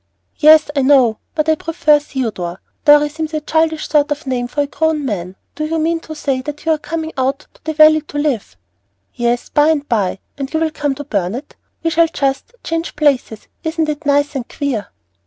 "Yes, I know, but I prefer Theodore. Dorry seems a childish sort of name for a grown man. Do you mean to say that you are coming out to the Valley to live?" "Yes, by and by, and you will come to Burnet; we shall just change places. Isn't it nice and queer?"